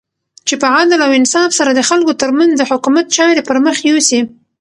چی په عدل او انصاف سره د خلګو ترمنځ د حکومت چاری پرمخ یوسی